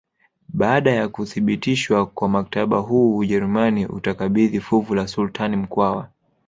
Baada ya kuthibitishwa kwa mkataba huu Ujerumani utakabidhi fuvu la sultani Mkwawa